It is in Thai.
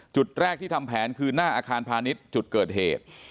จุดแรกที่ทำแผนคือหน้าอาคารพาณิชย์จุดเกิดเหตุ